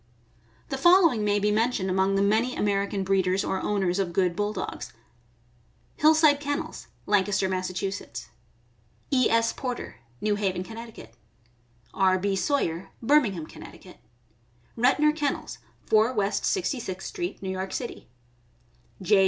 The following may be mentioned among the many Amer ican breeders or owners of good Bulldogs: Hillside Ken nels, Lancaster, Mass. ; E. S. Porter, New Haven, Conn. ; R. B. Sawyer, Birmingham, Conn. ; Retnor Kennels, 4 West Sixty sixth street, New York City; J.